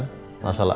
masalah alas sama adin